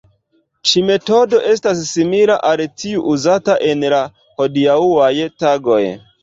Ĉi-metodo estas simila al tiu uzata en la hodiaŭaj tagoj.